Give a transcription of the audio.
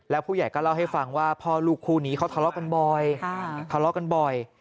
แล้วผู้ใหญ่ก็เล่าให้ฟังว่าพอลูกคู่นี้เขาทะเลาะกันบ่อย